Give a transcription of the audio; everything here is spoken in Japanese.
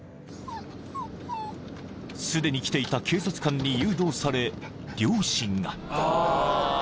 ［すでに来ていた警察官に誘導され両親が］